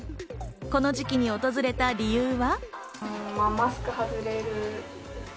この時期に訪れた理由は。